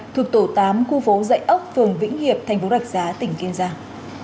thuộc tổ tám khu phố dạy ốc phường vĩnh hiệp tp đặc giá tỉnh kiên giang